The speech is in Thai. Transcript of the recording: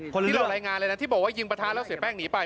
ที่เรารายงานเลยนะที่บอกว่ายิงประทะแล้วเสียแป้งหนีไป